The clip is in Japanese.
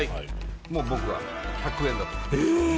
もう僕は１００円だと思います